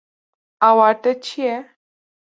Awarte çi ye?